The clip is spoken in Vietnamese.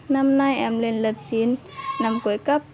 năm nay em lên lập chín năm cuối cấp